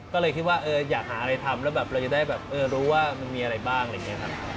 ก็เลยคิดว่าอยากหาอะไรทำแล้วแบบเราจะได้แบบรู้ว่ามันมีอะไรบ้างอะไรอย่างนี้ครับ